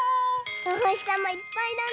おほしさまいっぱいだね。